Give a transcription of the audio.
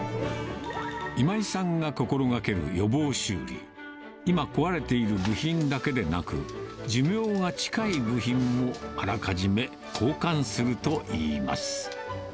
今井さんが心がける予防修理、今壊れている部品だけでなく、寿命が近い部品もあらかじめ交換するといいます。